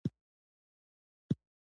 د ننګرهار غنم وختي بازار ته راځي.